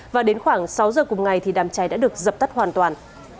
và đến khoảng sáu giờ cùng ngày thì đám cháy đã được dập tắt hoàn toàn